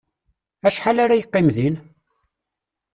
Acḥal ara yeqqim din?